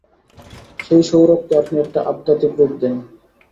সেই সৌরভকে আপনি একটি আধ্যাত্মিক রূপ দেন।